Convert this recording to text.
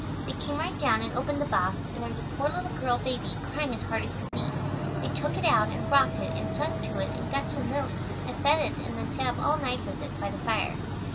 They came right down and opened the box, and there was a poor little girl baby, crying as hard as could be. They took it out and rocked it and sung to it and got some milk and fed it and then sat up all night with it, by the fire.